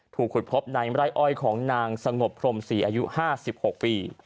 ถูกขุดพบในไร่อ้อยของนางสงบพรมศรีอายุ๕๖ปี